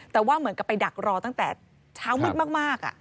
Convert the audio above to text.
แต่ว่าเหมือนกับไปดักรอตั้งแต่เช้ามืดมาก